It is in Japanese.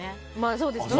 そうですね。